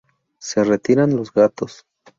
Se retiran los gatos.